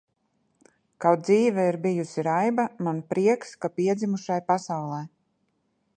Kaut dzīve ir bijusi raiba, man prieks, ka piedzimu šai pasaulē!